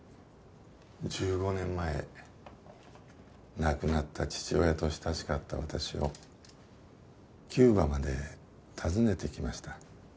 １５年前亡くなった父親と親しかった私をキューバまで訪ねてきました。